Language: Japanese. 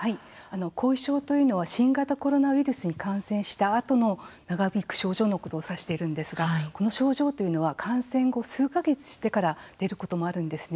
後遺症というのは新型コロナウイルスに感染したあとの長引く症状のことを指しているんですがこの症状というのは感染後数か月してから出ることもあるんですね。